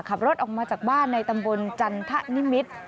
ขับรถออกมาจากบ้านในตำบลจันทะนิมิตร